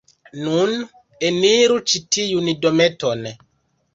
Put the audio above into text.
Nun, eniru ĉi tiun dometon...